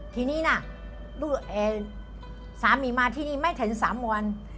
ทีนี้นะสามีมาที่นี่ไม่ถึง๓วัน